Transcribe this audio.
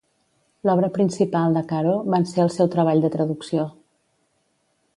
L'obra principal de Caro van ser el seu treball de traducció.